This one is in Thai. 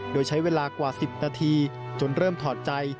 โดยใช้เวลากว่า๑๐นาทีจนเริ่มถอดใจ